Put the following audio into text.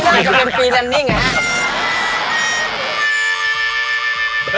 ไม่น่าจะเป็นฟีแลนด์นี่ไงฮะ